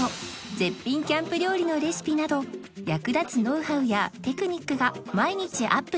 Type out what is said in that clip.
絶品キャンプ料理のレシピなど役立つノウハウやテクニックが毎日アップされています